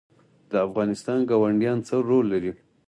د افغانستان ګاونډیان څه رول لري؟